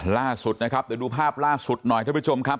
ล่าสุดนะครับเดี๋ยวดูภาพล่าสุดหน่อยท่านผู้ชมครับ